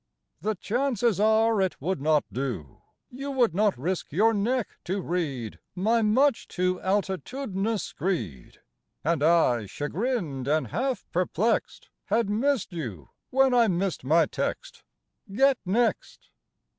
The chances are it would not do. You would not risk your neck to read My much too altitudinous screed, And I, chagrined and half perplexed, Had missed you when I missed my text Get Next.